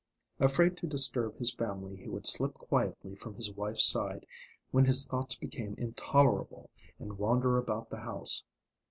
Afraid to disturb his family, he would slip quietly from his wife's side, when his thoughts became intolerable, and wander about the house.